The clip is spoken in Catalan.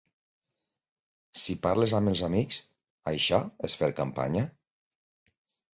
Si parles amb els amics, això és fer campanya?